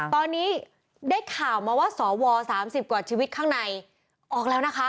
ตอนนี้ได้ข่าวมาว่าสว๓๐กว่าชีวิตข้างในออกแล้วนะคะ